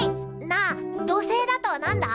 なあ土星だと何だ？